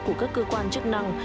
của các cơ quan chức năng